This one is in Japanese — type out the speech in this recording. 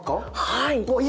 はい。